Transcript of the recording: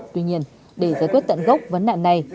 tuy nhiên để giải quyết tận gốc vấn nạn này